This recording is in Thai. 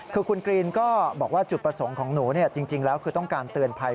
คือคุณกรีนก็บอกว่าจุดประสงค์ของหนูจริงแล้วคือต้องการเตือนภัย